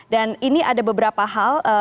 dan ini ada beberapa hal